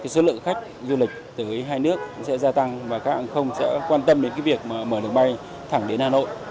số lượng khách du lịch tới hai nước sẽ gia tăng và các hãng hàng không sẽ quan tâm đến việc mở đường bay thẳng đến hà nội